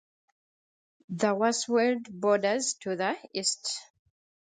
The "Forst Wied" borders to the east.